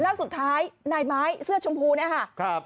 แล้วสุดท้ายนายไม้เสื้อชมพูนะฮะครับ